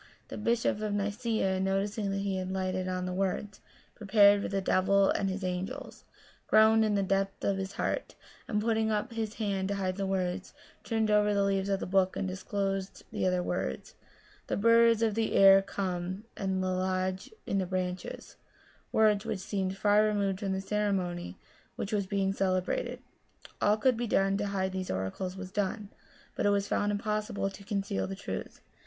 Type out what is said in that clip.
The bishop of Nicaea, noticing that he had lighted on the words, * Prepared for the devil and his angels,* groaned in the depth of his heart, and putting up his hand to hide the words, turned over the leaves of the book, and disclosed the other words, * The birds of the air come, and lodge in the branches ': words which seemed far removed from the ceremony which was being celebrated. All that could be done to hide these oracles was done, but it was found im possible to conceal the truth.